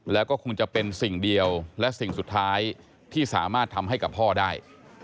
แล้วก็คงจะเป็นสิ่งเดียวและสิ่งสุดท้ายที่สามารถทำให้กับพ่อได้